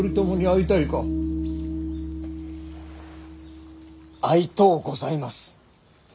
会いとうございます。